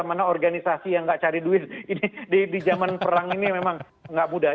mana organisasi yang gak cari duit di zaman perang ini memang gak mudah